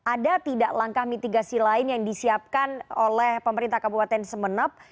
ada tidak langkah mitigasi lain yang disiapkan oleh pemerintah kabupaten sumeneb